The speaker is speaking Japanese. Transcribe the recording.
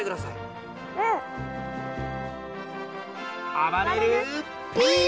あばれるＰ！